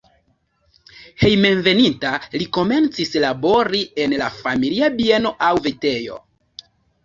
Hejmenveninta li komencis labori en la familia bieno aŭ vitejo.